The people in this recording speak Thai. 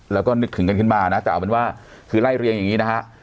แล้วก็นึกถึงกันขึ้นมาแต่ไล่เรียงอย่างนี้